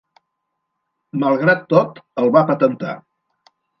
Malgrat tot, el va patentar.